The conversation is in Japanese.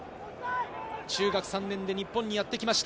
中学３年に日本にやってきました。